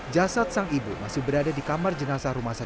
jasad sang ibu masih berada di kamar jenazah rumah sakit